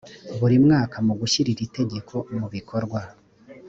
buri mwaka mu gushyira iri tegeko mu bikorwa